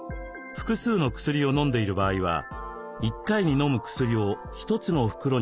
複数の薬を飲んでいる場合は１回に飲む薬を１つの袋にまとめる一包化。